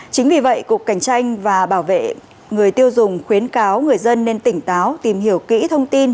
chính vì vậy cục cảnh tranh và bảo vệ người tiêu dùng khuyến cáo người dân nên tỉnh táo tìm hiểu kỹ thông tin